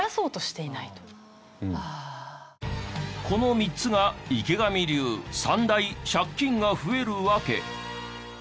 この３つが池上流３大借金が増える訳。